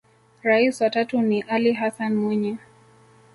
Rais wa tatu ni Ally Hassan Mwinyi